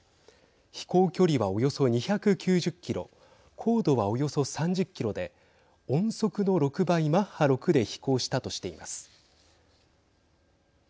飛行距離は、およそ２９０キロ高度は、およそ３０キロで音速の６倍、マッハ６で飛行したとしています。